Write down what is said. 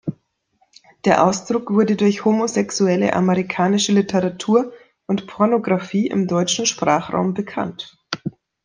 Der Ausdruck wurde durch homosexuelle amerikanische Literatur und Pornographie im deutschen Sprachraum bekannt.